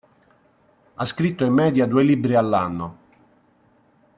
Ha scritto in media due libri all'anno.